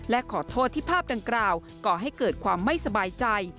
และขอโทษที่ภาพดังกล่าวก่อให้เกิดความไม่สบายใจ